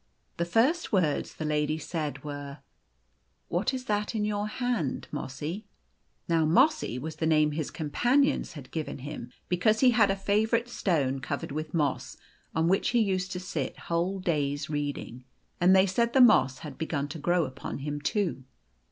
The first words the lady said were, " What is that in your hand, Mossy ?" Now Mossy was the name his companions had given him, because he had a favourite stone covered with moss, on which he used to sit whole days reading ; and they said the moss had begun to grow upon him too.